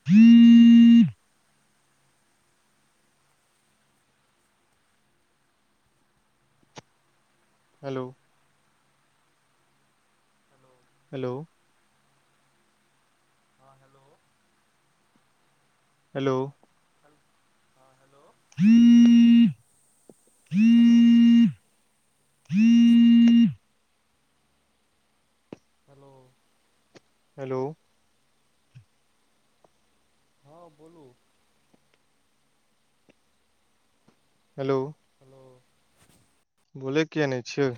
[unintelligible] Hello. ह। Hello. ह hello hello. ह, ह, हेलो। [unintelligible] हेलो। हेलो। हेलो। ह बोलू? हेलो। हेलो। बोले किया नहि छियौ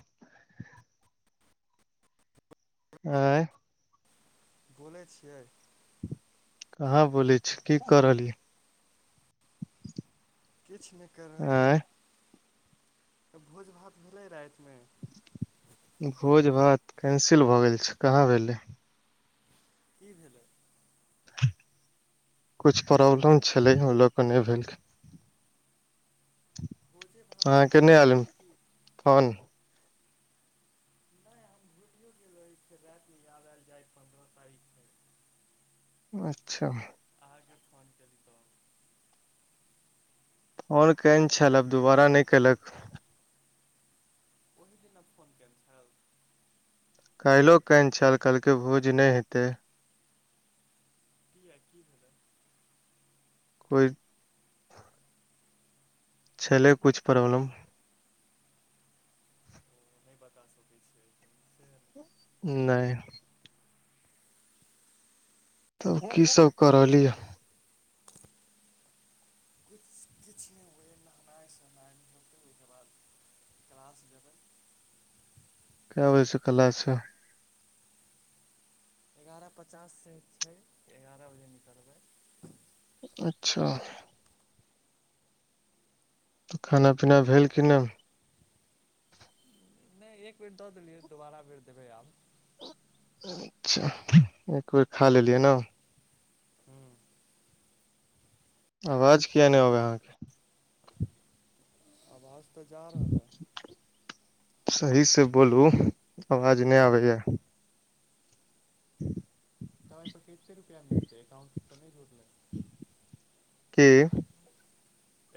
आइ बोलै छियै। कहाँ बोलै छी कि कर रहलियै किछु नहि कर रहलियै आँय तऽ भोज भात भेलै रातिमे भोज भात कैसिल भए गेल छै कहाँ भेलै कि भेलै कुछु प्रॉब्लम छलै ओल नहि भेले गोजे भातके। केने आलम फोन। नहि हम आ जाइ छै पन्द्रह तारीख। छै अच्छा। अहाँकेँ फोन केली तऽ ओर कने छालाप दुोबारा नहि कलक कोन ने फोन कर। काल्हि कान छल कहलकै भोज नहि हेते ठीक छै कोइ। चलै किुछ प्रॉब्लम ओ नहि बता सकै छियै सँ नै। तब की सब कर रहल यऽ किु किछुमे ओह नहनाइ सहनाइ नहि होतै ओहिके बाद क्लास जेबै [unintelligible] क होै छै कला छै [unintelligible] एगारह पचास से छै एगारह बजे निकलबै अच्छा तऽ खाना पीना हँ भेल की नहि नहि एक बेर दऽ देलियै दोबारा बेर देबै आब अच्छा एक बेर खा लेलियै न हूँ आवाज किये नहि अबैहे अहाँके आवाज तऽ जा रहल हे सही से बोलू आवाज नहि आबैये [inaudible] समय पर कते रुपआ मिलतै एकाउंट तऽ नहि जुड़लै? की?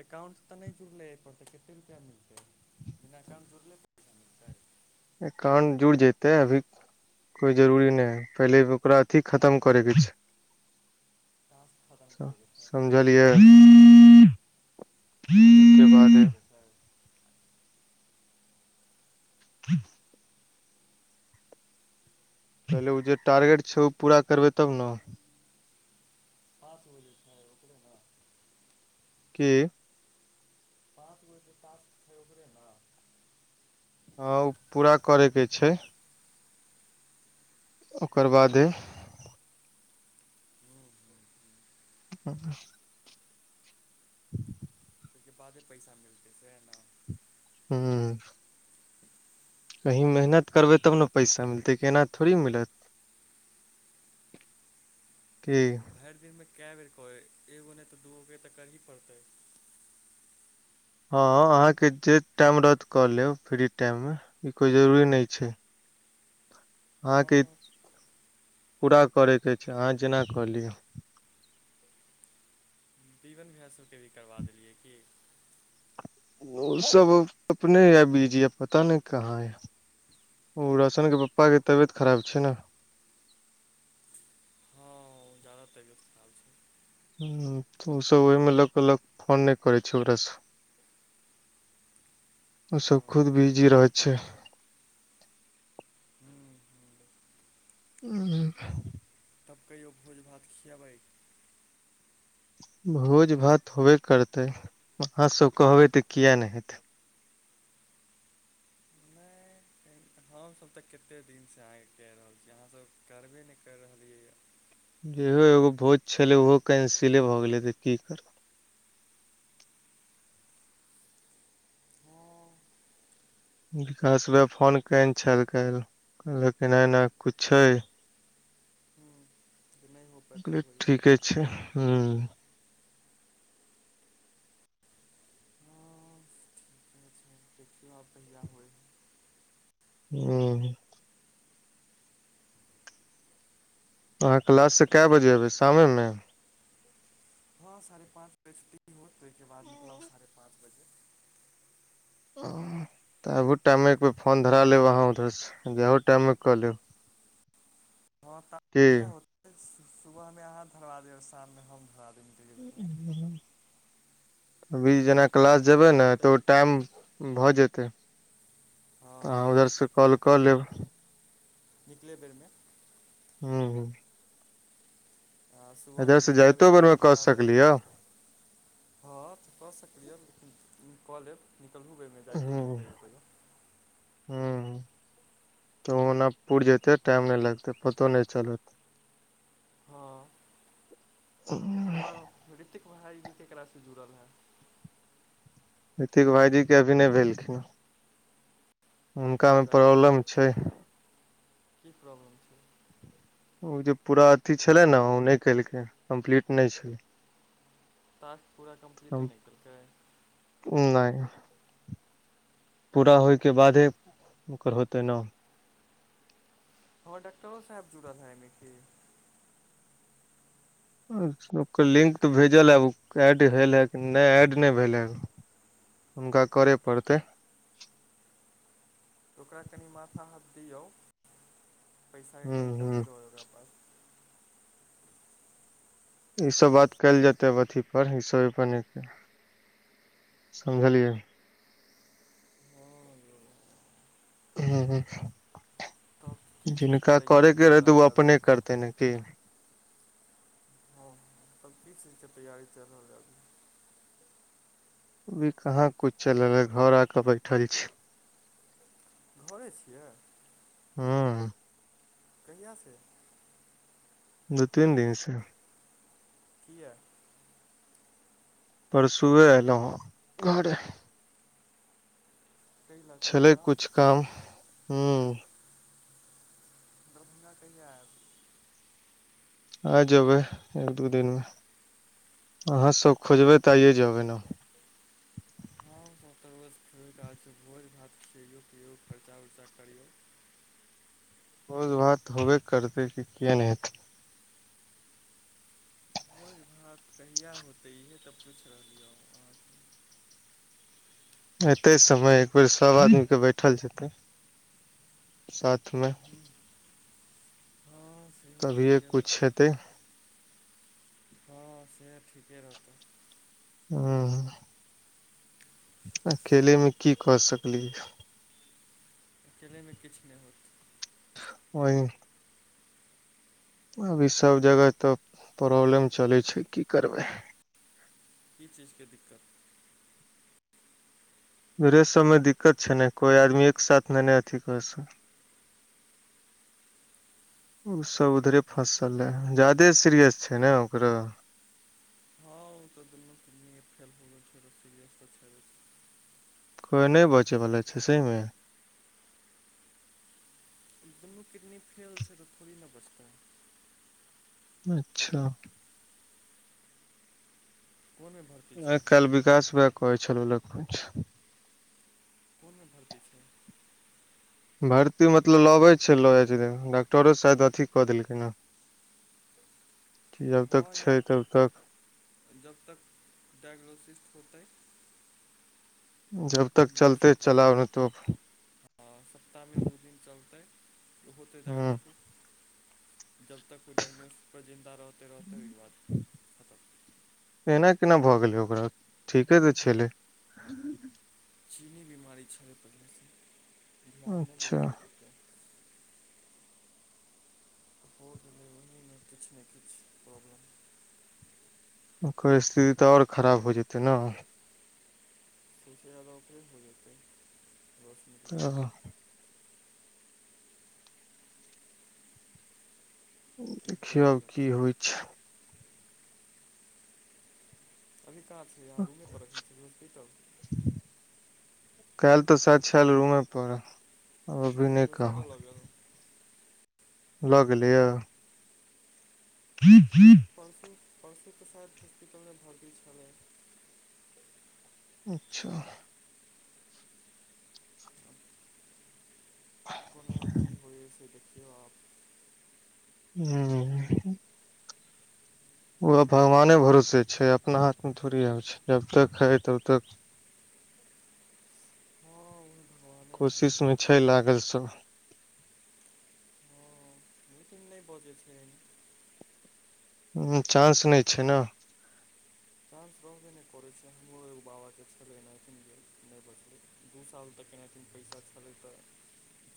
एकाउंट तऽ नहि जुड़लै एहि पर, तऽ कते रुपआ मिलतै, बिना एकाउंट जुड़ले पैसा मिलतै एकाउंट जुड़ि जेतेै अभी कोइ जरूरी नहि है पहिले ओकरा अथी खतम करैके छै हँ समझलियै? टास्क के खतम बाद करै के छै? ह [unintelligible] पहिले ओ जे टारगेट छै ओ पूरा करबै तब ने प बजे ओरा [unintelligible] की? पाँच गोे [unintelligible] सात छै ओकरे न हँ ओ पूरा करयके छै ओकर हूँ बादे हूॅं [unintelligible] ओहिके बादे पैसा मिलतै से? हूॅं कहीं मेहनत करबै तब ने पैसा मिलतै, के एना थोड़ी मिलत? की? भरि दिनमे कए बेर कहै, एगो नहि तऽ दूगोके तऽ करहि पड़तै। हँ अहाँके जे टाइम रहत कऽ लेब फ्री टाइममे, ई कोइ जरूरी नहि छै। अहाँके हँ पूरा करयके छै अहाँ जेना कऽ ली। जीवन भैया सभके भी करबा देलियै की? ओ सब अपने य बीजि पता नहि कहाँ य? ओ रौशनके पप्पाके तबियत खराब छै ने! ओ, ज्यादा तबीयत? ओ सभ ओहि मे लोकऽ [unintelligible] लोक फोन नहि करै छै ओकरासँ ओ सब हँ खुद हँ बिजी हँ रहेै छै। ह्म ह्म हॅं तब कहियौ, भोज-भात खियबै? भोज-भात होबे करतै, अहाँ सब कहबे तऽ किया नहि हेतै! हम सब तऽ कते दिनसँ अहाँके कहि रहल छी, अहाँ सभ करबे नहि करि रहलियैए! जेहो एगो भोज छलै ओहो कैंसिले भऽ गेलै तऽ की करबै? हँ विकास भैया फोन केने छल काल्हि, कहलक एना-एना कुछ छै हूँ [unintelligible] ठीके भात छै, हॅं जब प होए [unintelligible] हूॅं अहाँ क्लाससँ कए तऽ बजे अयबै, शामेमे? हॅं, साढ़े पाँच बजे छुट्टी होइत तॅं ओहिके बाद निकलब साढ़े पाँच बजे तऽ आबहू टाइमे एक बेर फोन धरा लेब अहाँ उधरसे, जाहू टाइमे कऽ लेब की [unintelligible] सुबहमे अहाँ धरा देब शाममे हम धरा निकलै बेरमे [unintelligible] अभी दू जेना बेरके टाइम क्लास पुरि जेबै न जेतै तऽ ओ टाइम भऽ जेतै हँ तऽ अहाँ उधर स कॉल कऽ लेब् निकले बेर मे [inaudible] हँ सुबहमे इधरसँ जाय बेर जाइतो में बेरमे अहाँ कऽ धरा देब सकलियै [unintelligible] हँ तऽ कऽ सकैय लेकिन कऽ लेब निकलहु बेर जाइतो [unintelligible] ह्म [inaudible] तऽ ओना पुर जैतै टाइम न लगतै पतो न चलत [inaudible] हमर रितिक भाई जी केकरा स जुड़ल है रितिक भाइजी क अभी न भेलखिन हँ ज्यादा किया प्रॉब्लम छै [unintelligible] की प्रॉब्लम छै ओ जे पूरा अथी छलै न ओ ने केलकै कम्प्लीट न छलै टाक्स पूरा कम्पलिट न कयेलकै न [unintelligible] पूरा होइ के बादे ओकर होतै न हमर डाक्टर साहेब जुड़ल है आइ म की ओकर लिंक तऽ भेजल है एड भेल है न एड न भेल ह हुनका करय पड़तै तऽ ओकरा कनि माथा हाथ दिऔ [unintelligible] पैसाके ह कही ह कमी रहै ओकरा पास ई सब बात कयल जेतै अथी पर ई सब [unintelligible] समझलियै [inaudible] [unintelligible] तब की चीजके जिनका तैयारी करेके चलि रहे त रहल ओ हइ अभी अपने करते न कि हँ तब की चीज क तैयारी चल रहल अभी अभी कहा कुछ चल रह घर आ क बैठल छी घरे स य [inaudible] कहिया सँ दू तीन दिन सँ किया परसुए एलै ह घरे कै लए कोइ छले कुछ काम हूँ दरभंगा कहिया ऐब आ जेबै एक दू दिन म अहाँ सब खोजबै तऽ आऐ जेबै न [unintelligible] भोज भात कियो खर्चा वर्चा करियौ भोज भात होबे करतै की किएक न हेतै भोज भात कहिआ होतै इहे तऽ पूछि रहलिए एते समय एक बेर सब आदमी क बैठल जेतै [unintelligible] साथ मे [inaudible] तभीए ठीके कुछ होतै हेतै हँ से हो ठीके रहते [inaudible] अकेले मे की क सकली ही अकेले मे किछ न होत ओहि अभी सभ जगह तऽ प्रॉब्लम चलै छै की करबै की चीज क दिक्कत रे सब मे दिक्कत छै ने कोई आदमी एक साथ न ने अथी क सकै ओसभ उधरे फँसल रहै ज्यदे सीरियस छै ने ओकरा ह त फेल हो गेल सर [unintelligible] कोइ नहि बचैवला छै सही मे दुनू किडनी फेल छै तऽ थोड़ी न बचतै अच्छा कोन भर [unintelligible] आइ काल्हि विकास भैया कहै छलौल कुछ कोनमे भर्ती छै भर्ती मतलब लबै छै लऽ जाइ दिन डॉक्टरो शायद अथी कऽ देलकै ने कि आखिर हँ या छै तब तक जब तक डायग्नोसिस होतै जब तक चलते चलाउ ने त आ सप्ताहमे दू दिन चलतै ओहोतै ह डायग्नोसिस जब तक ओ डायग्नोसस पर जिन्दा रहते रहते ओइ के बाद खतम एना केना भऽ गेलै ओकरा ठीके तऽ छेलै ह चीनी बीमारी छलै पहिलेसँ ध्यान नहि अच्छा देलकै ओते होम डिलीवरीमे किछु ने किछु प्रॉब्लम ओकर स्थिति तऽ और खराब हो जेतै ने दूसे अरक [unintelligible] रे हो जेतै रोशनी आ हा की देखियौ करल आब की जेतै होइ छै अभी कहाँ छिय अहाँ रूमे पर रखने छियै हॉस्पिटल काइल तऽ सायद छेल रूमे पड़ आइ अभी नहि फेर हॉस्पिटल कहब लऽ गेल लऽ गेलैया ग्रिब ग्रिब [unintelligible] परसु परसु तो शायद हॉस्पिटलमे भर्ती छलैया अच्छा आब ह कोना की होइ छै देखियौ आब हू हू ओ भगवाने भरोसे छै अपना हाथ मे थोड़ी आब छै जबतक हे तबतक हँ कोशिशमे छै लागल सब हम त [unintelligible] न नहि बजै छैय हू चांस नहि छै न चांस रहबे नहि करै छै हमरो एगो बाबाके छलैनाख [unintelligible] नि गेल नहि बसलै दू साल तक केनाहितो पैसा छलै तऽ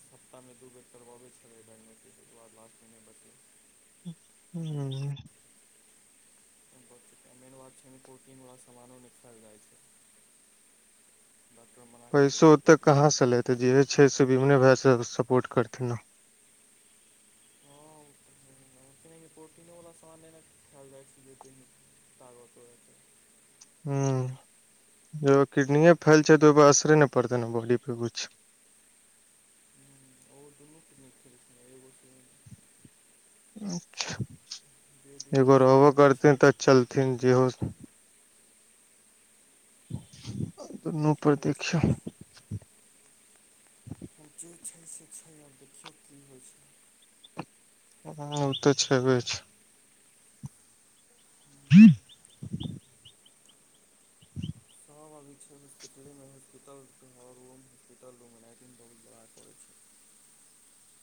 सप्ताहमे दू बेर करवबैत छलै डायग्नोसिस ओइके बाद लास्टमे नहि बचलै हू तहन बहुत मेन बात छैमे प्रोटीनवला समानो निघटल जाइ छै डॉक्टर मना कऽ दै पैसो छै ओतऽ प्रोटीनवला कहाँसँ लेतै जे छै से विमने भाइसँ सपोर्ट करथिन ने हँ खनामे प्रोटीनोवला समान एने खाएल जाइ छै जे त एहिमे तागतो हेत हू जकर किडनिये फैल छै तऽ ओहिपर असरे नहि पड़तै ने बॉडी पर किछ और दुनू किडनी फेल छै न एगो जे दिन हइ एगो से रहबो दिन करते छै तऽ चलथिन जे हो दुनू जे प्रत्यक्ष छै जे छै से छै आब देखियौ की होइ छै ह ओ तऽ छेबे छै ह [unintelligible] छै हम अभी छैपिटलेमे हॉस्पिटलर रम [unintelligible] हस्पिटल रूमंग बहुत बड़ा पड़ै छै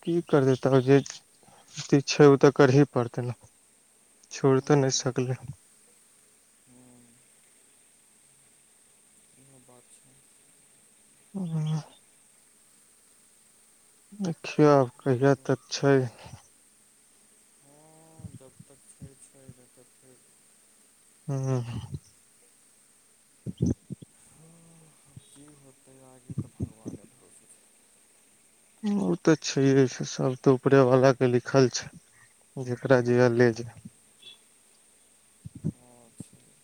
की कर देतै जे अथी छै ओ तऽ करही पड़तै ने छोइड़ तऽ हँ नहि सकलै हँ इँ बात छै ह देखियौ आब कहिया देखियौ तक छै ह जब तक छै छै जब तक नै हू हँ की होतै आगे तऽ भगवाने भरोसे छै उ तऽ छैे हे से सब तऽ उपरे वाला के लिखल छै जेकरा जैहा हँ ले जा हँ छै